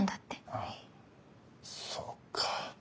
あそうか。